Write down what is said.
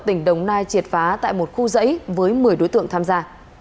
tỉnh đồng nai triệt phá tại một khu dãy với một mươi đối tượng tham gia